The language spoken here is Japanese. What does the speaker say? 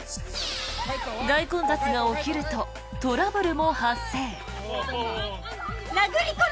大混雑が起きるとトラブルも発生。